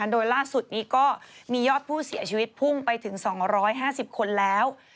โดยล่าสุดนี้ก็มียอดผู้เสียชีวิตพุ่งไปถึง๒๕๐คนแล้ว